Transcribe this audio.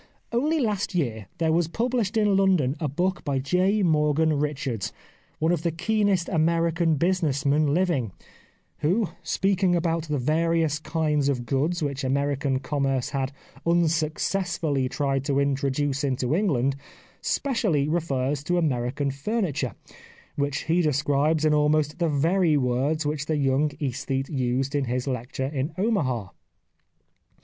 Only last year there was published in London a book by J . Morgan Richards, one of the keenest American business men living, who speaking 207 The Life of Oscar Wilde about the various kinds of goods which American commerce had unsuccessfuhy tried to introduce into England^ specially refers to American furniture, which he describes in almost the very words which the young aesthete used in his lecture in Omaha.